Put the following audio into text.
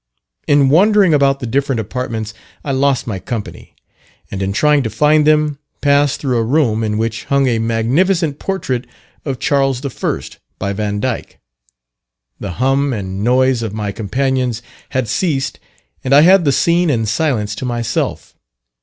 In wandering about the different apartments I lost my company, and in trying to find them, passed through a room in which hung a magnificent portrait of Charles I., by Vandyck. The hum and noise of my companions had ceased, and I had the scene and silence to myself.